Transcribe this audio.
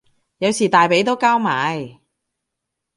有時大髀都交埋